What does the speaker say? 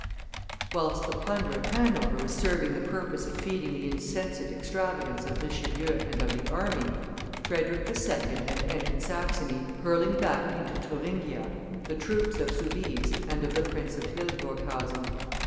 Whilst the plunder of Hanover was serving the purpose of feeding the insensate extravagance of Richelieu and of the army, Frederick II. had entered Saxony, hurling back into Thuringia the troops of Soubise and of the Prince of Hildburghausen.